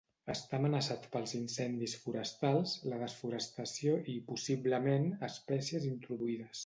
Està amenaçat pels incendis forestals, la desforestació i, possiblement, espècies introduïdes.